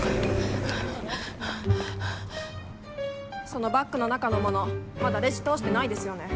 そのバッグの中の物まだレジ通してないですよね。